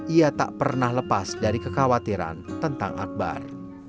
ia tak pernah lepas dari kekhawatiran tentang akbar